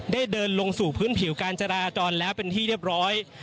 เดินลงสู่พื้นผิวการจราจรแล้วเป็นที่เรียบร้อย